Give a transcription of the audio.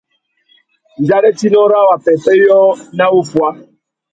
Dzarétinô râ wa pêpêyô na wuffuá.